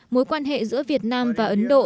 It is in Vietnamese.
mối quan hệ giữa việt nam và ấn độ